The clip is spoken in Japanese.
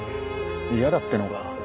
嫌だってのか？